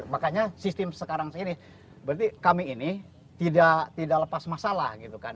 makanya sistem sekarang ini berarti kami ini tidak lepas masalah gitu kan